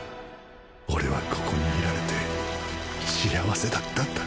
俺はここに居られて幸せだったんだ